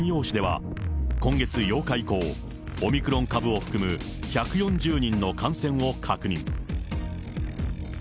市では、今月８日以降、オミクロン株を含む、１４０人の感染を確認。